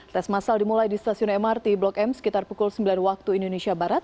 tes masal dimulai di stasiun mrt blok m sekitar pukul sembilan waktu indonesia barat